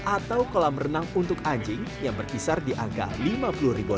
atau kolam renang untuk anjing yang berkisar di angka lima puluh ribu ton